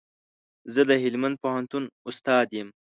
زه د هلمند پوهنتون استاد يم